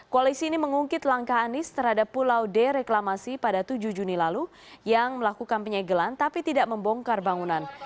koalisi ini mengungkit langkah anies terhadap pulau d reklamasi pada tujuh juni lalu yang melakukan penyegelan tapi tidak membongkar bangunan